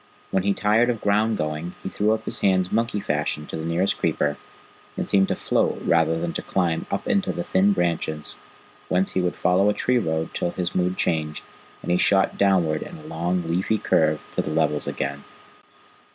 When he tired of ground going he threw up his hands monkey fashion to the nearest creeper, and seemed to float rather than to climb up into the thin branches, whence he would follow a tree road till his mood changed, and he shot downward in a long, leafy curve to the levels again.